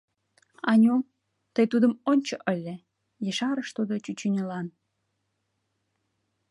Аню, тый тудым ончо ыле, — ешарыш тудо чӱчӱньылан.